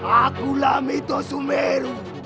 aku lamito sumeru